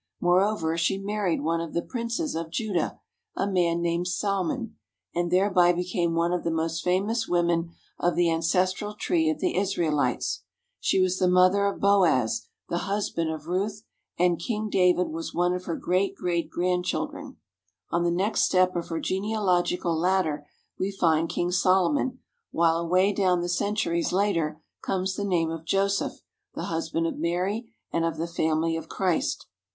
Moreover, she married one of the princes of Judah, a man named Salmon, and thereby became one of the most famous women of the ancestral tree of the Israel ites. She was the mother of Boaz, the husband of Ruth, and King David was one of her great great grandchil dren. On the next step of her genealogical ladder we find King Solomon, while away down the centuries later comes the name of Joseph, the husband of Mary, and of the family of Christ.